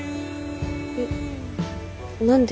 えっ何で。